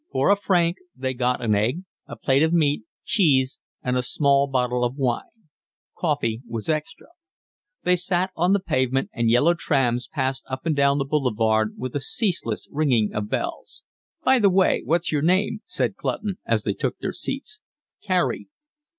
For a franc, they got an egg, a plate of meat, cheese, and a small bottle of wine. Coffee was extra. They sat on the pavement, and yellow trams passed up and down the boulevard with a ceaseless ringing of bells. "By the way, what's your name?" said Clutton, as they took their seats. "Carey."